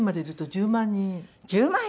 １０万人！？